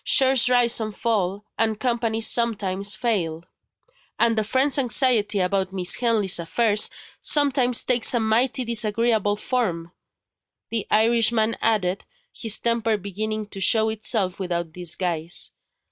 Shares rise and fall and Companies some times fail." "And a friend's anxiety about Miss Henley's affairs sometimes takes a mighty disagreeable form," the Irishman added, his temper beginning to show itself without disguise.